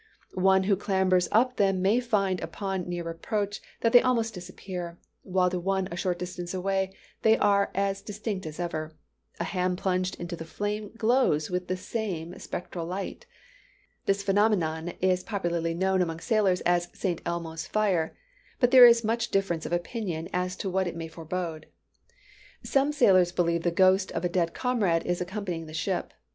One who clambers up to them may find upon near approach that they almost disappear; while to one a short distance away they are as distinct as ever. A hand plunged into the flame glows with the same spectral light. This phenomenon is popularly known among sailors as "St. Elmo's fire;" but there is much difference of opinion as to what it may forebode. Some sailors believe the ghost of a dead comrade is accompanying the ship.